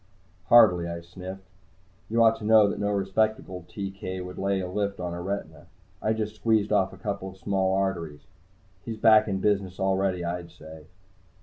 "Hardly," I sniffed. "You ought to know that no respectable TK would lay a lift on a retina. I just squeezed off a couple of small arteries. He's back in business already, I'd say."